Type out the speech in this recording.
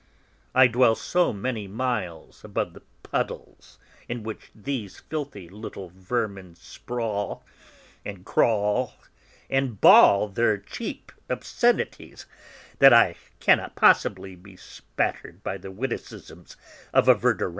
I dwell so many miles above the puddles in which these filthy little vermin sprawl and crawl and bawl their cheap obscenities, that I cannot possibly be spattered by the witticisms of a Verdurin!"